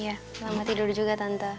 iya selamat tidur juga tanta